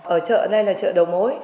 ở chợ đây là chợ đầu mối